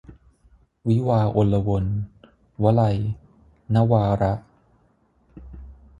วิวาห์อลวน - วลัย นวาระ